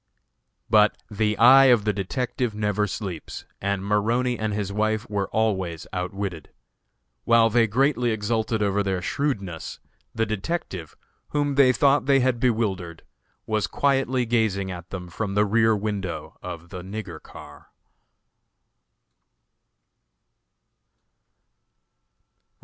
But the eye of the detective never sleeps, and Maroney and his wife were always outwitted. While they greatly exulted over their shrewdness, the detective, whom they thought they had bewildered, was quietly gazing at them from the rear window of the "nigger car."